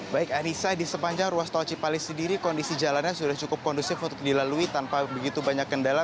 baik anissa di sepanjang ruas tol cipali sendiri kondisi jalannya sudah cukup kondusif untuk dilalui tanpa begitu banyak kendala